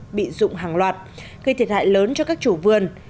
các dân xã quang thuận đã bị rụng hàng loạt gây thiệt hại lớn cho các chủ vườn